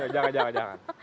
jangan jangan jangan